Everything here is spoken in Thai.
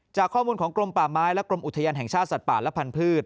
จากข้อมูลของกรมป่าไม้และกรมอุทยานแห่งชาติสัตว์ป่าและพันธุ์